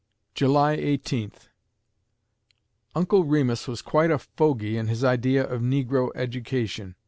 July Eighteenth Uncle Remus was quite a fogy in his idea of negro education.